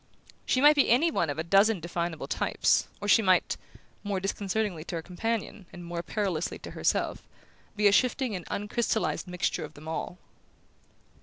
She might be any one of a dozen definable types, or she might more disconcertingly to her companion and more perilously to herself be a shifting and uncrystallized mixture of them all.